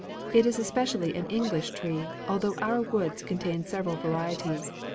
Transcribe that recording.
It is especially an English tree, although our woods contain several varieties.